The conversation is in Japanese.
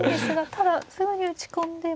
ただすぐに打ち込んでも。